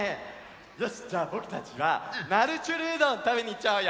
よしっじゃあぼくたちは「なるちゅるうどん」たべにいっちゃおうよ！